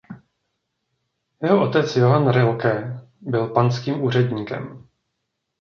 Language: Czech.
Jeho otec Johann Rilke byl panským úředníkem.